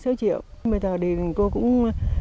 sáu triệu bây giờ thì cô cũng